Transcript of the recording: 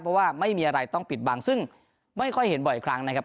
เพราะว่าไม่มีอะไรต้องปิดบังซึ่งไม่ค่อยเห็นบ่อยครั้งนะครับ